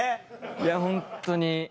いやホントに。